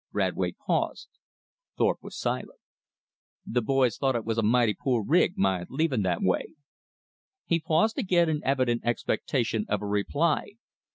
Radway paused. Thorpe was silent. "The boys thought it was a mighty poor rig, my leaving that way." He paused again in evident expectation of a reply.